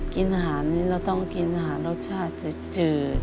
กินอาหารนี้เราต้องกินอาหารรสชาติจืด